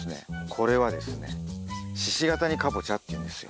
これはですね鹿ケ谷かぼちゃっていうんですよ。